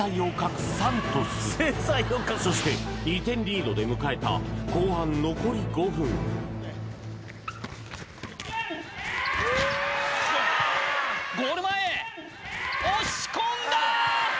そして２点リードで迎えた後半残り５分ゴール前押し込んだ！